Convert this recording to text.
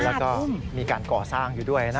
แล้วก็มีการก่อสร้างอยู่ด้วย